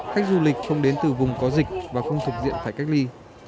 khách du lịch không đến từ vùng có dịch và không thuộc diện phải cách ly